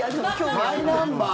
マイナンバー。